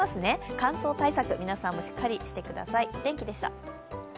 乾燥対策、皆さんもしっかりしてください。